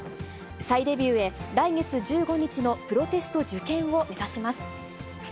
再デビューへ、来月１５日のプロテスト受験を目指します。